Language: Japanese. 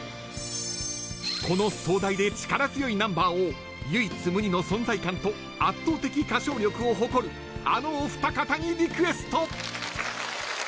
この、壮大で力強いナンバーを唯一無二の存在感と圧倒的歌唱力を誇るあのお二方にリクエスト。